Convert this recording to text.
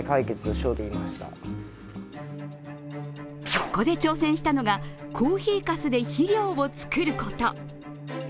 そこで挑戦したのがコーヒーかすで肥料を作ること。